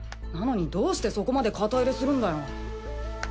なのにどうしてそこまで肩入れするんだよ？